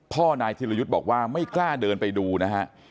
พ่อนายธิรยุทธ์บอกว่าไม่กล้าเดินไปดูนะฮะ